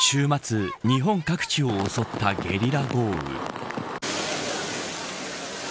週末日本各地を襲ったゲリラ豪雨。